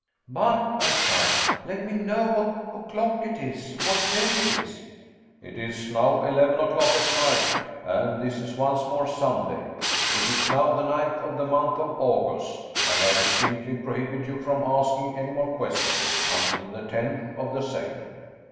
"But," I cried, "let me know what o'clock it is what day it is?" "It is now eleven o'clock at night, and this is once more Sunday. It is now the ninth of the month of August. And I distinctly prohibit you from asking any more questions until the tenth of the same."